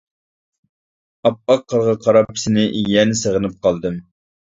ئاپئاق قارغا قاراپ سېنى يەنە سېغىنىپ قالدىم!